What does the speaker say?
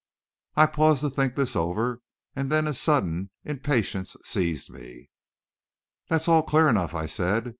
I paused to think this over; and then a sudden impatience seized me. "That's all clear enough," I said.